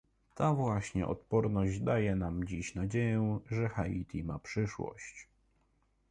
Ta właśnie odporność daje nam dziś nadzieję, że Haiti ma przyszłość